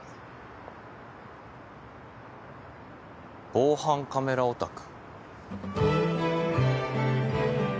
防犯カメラオタク。